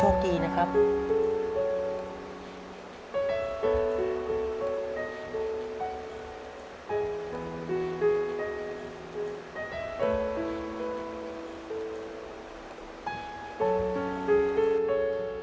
โดยโปรแกรมแม่รักลูกมาก